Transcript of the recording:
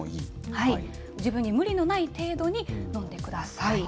自分に無理のない程度に飲んでください。